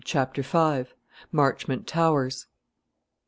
CHAPTER V. MARCHMONT TOWERS.